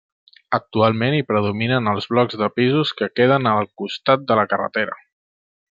Actualment hi predominen els blocs de pisos que queden al costat de la carretera.